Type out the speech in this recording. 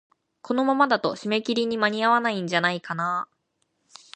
このままだと、締め切りに間に合わないんじゃないかなあ。